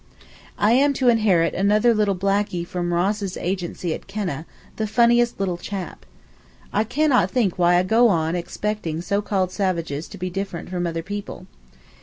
I am to inherit another little blackie from Ross's agency at Keneh: the funniest little chap. I cannot think why I go on expecting so called savages to be different from other people.